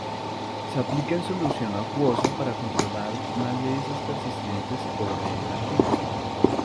Se aplica en solución acuosa para controlar malezas persistentes o de emergencia.